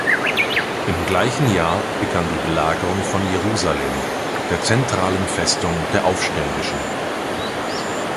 Im gleichen Jahr begann die Belagerung von Jerusalem, der zentralen Festung der Aufständischen.